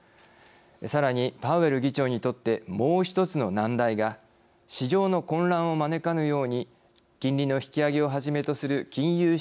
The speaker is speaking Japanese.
さらに、パウエル議長にとってもう１つの難題が市場の混乱を招かぬように金利の引き上げをはじめとする金融